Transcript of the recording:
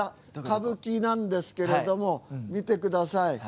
歌舞伎なんですけれども見てください。